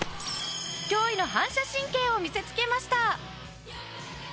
驚異の反射神経を見せつけました。